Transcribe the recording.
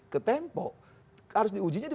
ke tempo harus di ujinya di